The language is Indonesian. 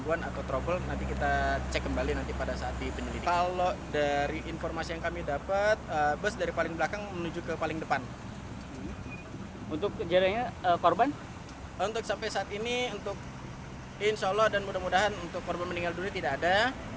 untuk sampai saat ini untuk insya allah dan mudah mudahan untuk korban meninggal dunia tidak ada